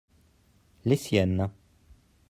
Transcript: les siennes.